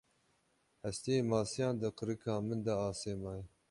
Hestiyê masiyan di qirika min de asê maye.